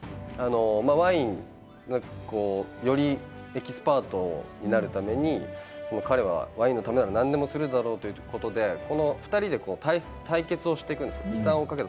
ワインのよりエキスパートになるために、彼はワインのためなら何でもするだろうということで、２人で対決をしていくんです。